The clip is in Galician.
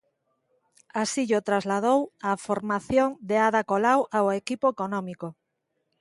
Así llo trasladou a formación de Ada Colau ao equipo económico.